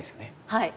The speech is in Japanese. はい。